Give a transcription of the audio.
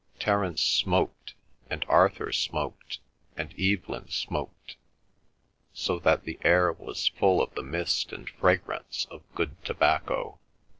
Terence smoked and Arthur smoked and Evelyn smoked, so that the air was full of the mist and fragrance of good tobacco.